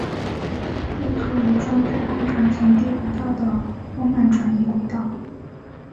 右图为将太空船从低轨道的霍曼转移轨道。